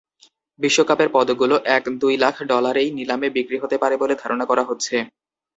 বিশ্বকাপের পদকগুলো এক-দুই লাখ ডলারেই নিলামে বিক্রি হতে পারে বলে ধারণা করা হচ্ছে।